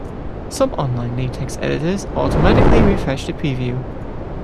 Some online LaTeX editors automatically refresh the preview.